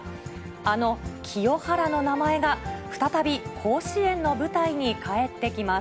あの清原の名前が、再び甲子園の舞台に帰ってきます。